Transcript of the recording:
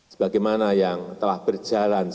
sebagaimana yang telah berjalan